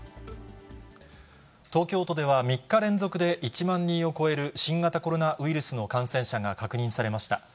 東京都では３日連続で、１万人を超える新型コロナウイルスの感染者が確認されました。